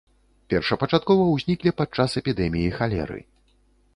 Першапачаткова ўзніклі падчас эпідэміі халеры.